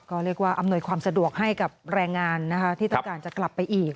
ก็เรียกว่าอำนวยความสะดวกให้กับแรงงานนะคะที่ต้องการจะกลับไปอีก